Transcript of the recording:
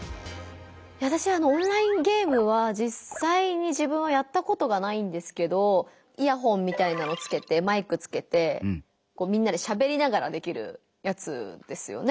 わたしはオンラインゲームはじっさいに自分はやったことがないんですけどイヤホンみたいなのつけてマイクつけてみんなでしゃべりながらできるやつですよね。